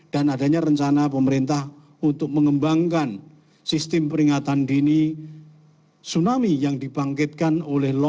dan adanya rencana pemerintah untuk mengembangkan sistem peringatan dini tsunami yang dibangkitkan oleh tsunami